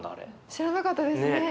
知らなかったですね。